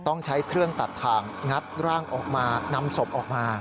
ต้องใช้เครื่องตัดทางงัดร่างออกมานำศพออกมา